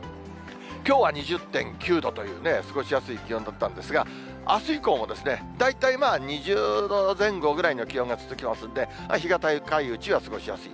きょうは２０．９度というね、過ごしやすい気温だったんですが、あす以降も大体２０度前後ぐらいの気温が続きますので、日が高いうちは過ごしやすい。